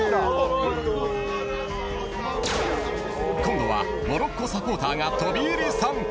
今度は、モロッコサポーターが飛び入り参加。